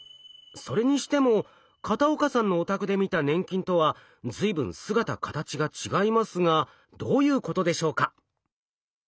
それにしても片岡さんのお宅で見た粘菌とは随分姿形が違いますがどういうことでしょうか？